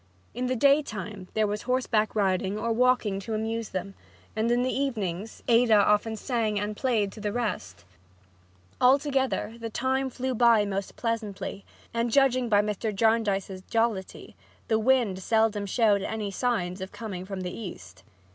In the daytime there was horseback riding or walking to amuse them, and in the evenings Ada often sang and played to the rest. Altogether the time flew by most pleasantly, and, judging by Mr. Jarndyce's jollity, the wind seldom showed any signs of coming from the east.